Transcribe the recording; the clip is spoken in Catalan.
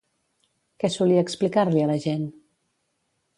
Què solia explicar-li a la gent?